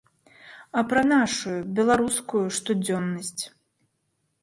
А пра нашую, беларускую, штодзённасць.